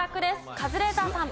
カズレーザーさん。